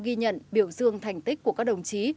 ghi nhận biểu dương thành tích của các đồng chí